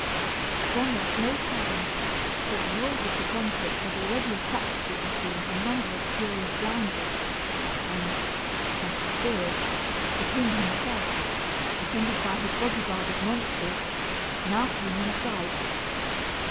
John lost no time, for the noise of the conflict had already attracted to the scene a number of curious loungers; and, as he feared, the king himself, attended by his body guard of monsters, now came in sight.